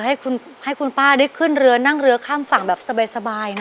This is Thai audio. ให้คุณให้คุณป้าได้ขึ้นเรือนั่งเรือข้ามฝั่งแบบสบายสบายเนอะ